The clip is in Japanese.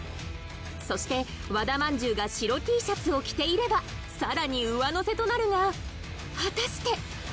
そして和田まんじゅうが白 Ｔ シャツを着ていればさらに上のせとなるが果たして